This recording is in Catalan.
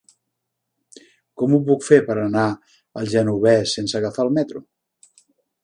Com ho puc fer per anar al Genovés sense agafar el metro?